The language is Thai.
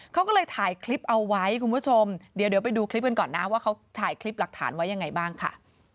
เขาก็เลยถ่ายคลิปเอาไว้คุณผู้ชมเดี๋ยวไปดูคลิปกันก่อนนะว่าเขาถ่ายคลิปหลักฐานไว้ยังไงบ้างค่ะ